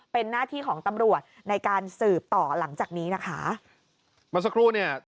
เป็นหน้าที่ของตำรวจในการสืบต่อหลังจากนี้นะคะ